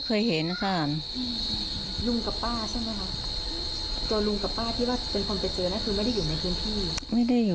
พี่ไม่เห็นนะคะเขาไม่รู้จักเลยค่ะ